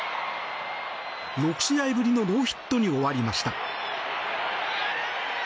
６試合ぶりのノーヒットに終わりました。